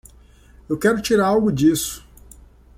Eu quero tirar algo disso.